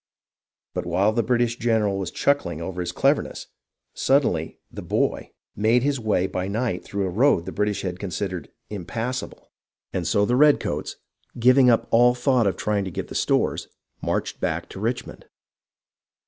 But while the British general was chuckling over his cleverness, suddenly "the boy" made his way by night through a road the British had considered "impassable," y 366 HISTORY OF THE AMERICAN REVOLUTION and so the redcoats, giving up all thought of trying to get the stores, marched back to Richmond.